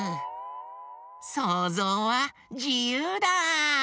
そうぞうはじゆうだ！